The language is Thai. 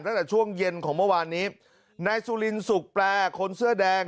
ตั้งแต่ช่วงเย็นของเมื่อวานนี้นายสุรินสุกแปลคนเสื้อแดง